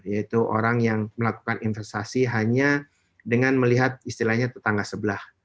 yaitu orang yang melakukan investasi hanya dengan melihat istilahnya tetangga sebelah